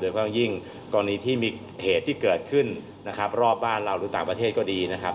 โดยเพราะยิ่งกรณีที่มีเหตุที่เกิดขึ้นรอบบ้านเราหรือต่างประเทศก็ดีนะครับ